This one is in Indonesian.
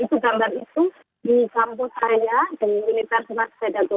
itu gambar itu di kampus saya di militer smart sedang dua puluh tiga